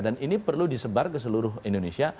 dan ini perlu disebar ke seluruh indonesia